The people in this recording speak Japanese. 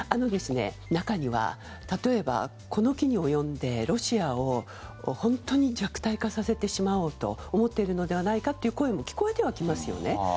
中には、例えばこの機に及んでロシアを本当に弱体化させてしまおうと思っているのではないかっていう声も聞こえてはきますよね。